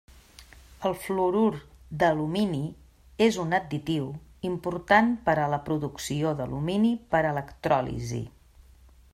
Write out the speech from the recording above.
El fluorur d'alumini és un additiu important per a la producció d'alumini per electròlisi.